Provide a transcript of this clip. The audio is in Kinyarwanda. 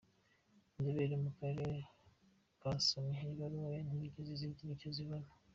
Inzobere zo mu Karere zasomye ibaruwa ye ntizigeze zigira icyo zibona.